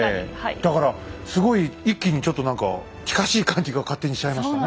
だからすごい一気にちょっと何か近しい感じが勝手にしちゃいましたね。